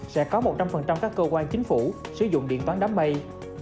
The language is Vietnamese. sẽ có một trăm linh các cơ quan chính phủ sử dụng điện toán đám mây